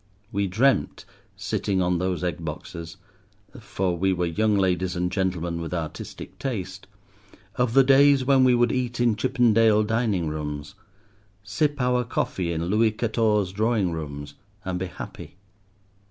We dreamt, sitting on those egg boxes—for we were young ladies and gentlemen with artistic taste—of the days when we would eat in Chippendale dining rooms; sip our coffee in Louis Quatorze drawing rooms; and be happy.